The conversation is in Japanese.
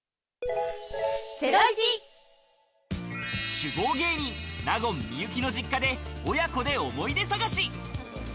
酒豪芸人、納言・幸の実家で親子で思い出探し。